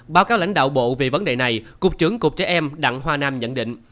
báo cáo lãnh đạo bộ về vấn đề này cục trưởng cục trẻ em đặng hoa nam nhận định